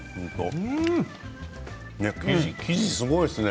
生地すごいですね。